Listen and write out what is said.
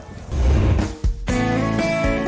ครับ